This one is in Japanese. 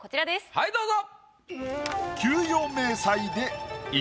はいどうぞ！